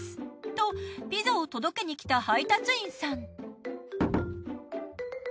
とピザを届けにきた配達員さん。